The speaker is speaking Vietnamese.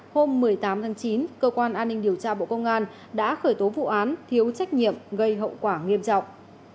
hôm một mươi tám tháng chín cơ quan an ninh điều tra bộ công an đã khởi tố vụ án thiếu trách nhiệm gây hậu quả nghiêm trọng